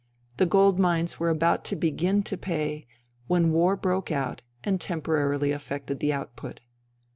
The gold mines were about to begin to pay, when war broke out and temporarily affected the output.